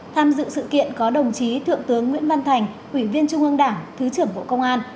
tham dự sự kiện có đồng chí thượng tướng nguyễn văn thành ủy viên trung ương đảng thứ trưởng bộ công an